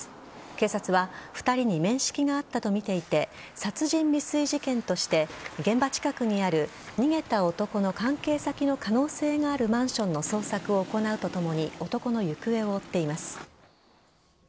警察は２人に面識があったとみていて殺人未遂事件として現場近くにある逃げた男の関係先の可能性があるマンションの捜索を行うとともに男の行方を追っています。